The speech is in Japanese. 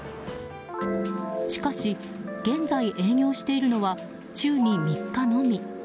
しかし、現在営業しているのは週に３日のみ。